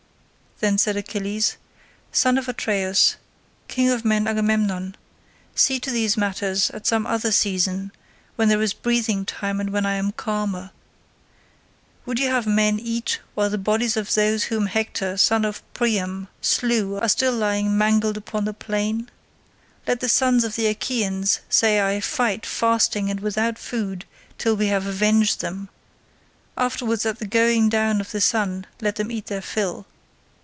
Then said Achilles, "Son of Atreus, king of men Agamemnon, see to these matters at some other season, when there is breathing time and when I am calmer. Would you have men eat while the bodies of those whom Hector son of Priam slew are still lying mangled upon the plain? Let the sons of the Achaeans, say I, fight fasting and without food, till we have avenged them; afterwards at the going down of the sun let them eat their fill.